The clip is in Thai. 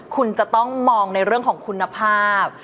คุณจะต้องมองในเรื่องของคุณภาพ